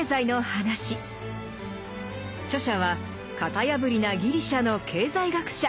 著者は型破りなギリシャの経済学者。